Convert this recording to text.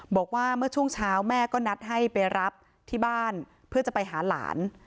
บอกว่าเมื่อช่วงเช้าแม่ก็นัดให้ไปรับที่บ้านเพื่อจะไปหาหลาน